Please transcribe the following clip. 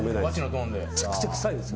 めちゃくちゃ臭いんです。